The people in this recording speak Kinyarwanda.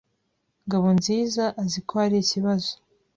Ngabonziza azi ko hari ikibazo.